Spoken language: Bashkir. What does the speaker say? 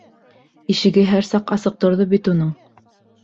Ишеге һәр саҡ асыҡ торҙо бит уның.